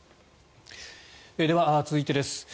では、続いてです。